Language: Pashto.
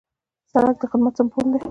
سړک د خدمت سمبول دی.